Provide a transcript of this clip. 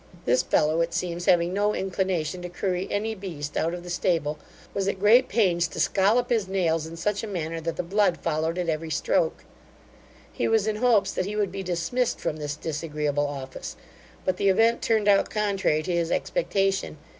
This fellow, it seems, having no inclination to curry any beast out of the stable, was at great pains to scollop his nails in such a manner that the blood followed at every stroke. He was in hopes that he would be dismissed from this disagreeable office, but the event turned out contrary to his expectation.